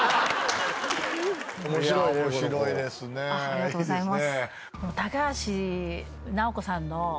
ありがとうございます。